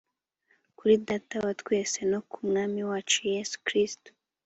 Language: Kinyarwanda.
kuri data wa twese no ku mwami wacu yesu kristo